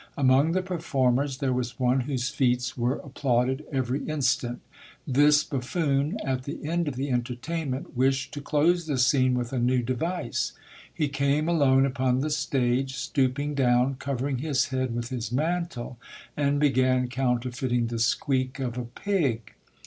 Among the performers there was one whose feats were applauded every instant. This buffoon, at the end of the entertainment, wished to close the scene with a new device. He came alone upon the stage, stooping down, covering his head with his mantle, and began counterfeiting the squeak of a pig.